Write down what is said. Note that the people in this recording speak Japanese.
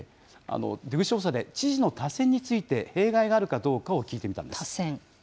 出口調査で、知事の多選について弊害があるかどうかを聞いてみたんです。